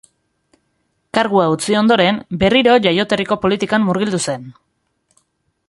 Kargua utzi ondoren, berriro jaioterriko politikan murgildu zen.